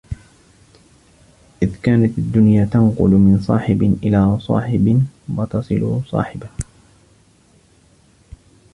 إذْ كَانَتْ الدُّنْيَا تَنْقُلُ مِنْ صَاحِبٍ إلَى صَاحِبٍ ، وَتَصِلُ صَاحِبًا